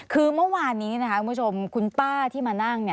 คือเมื่อวานนี้คุณผู้ชมคุณป้าที่มานั่ง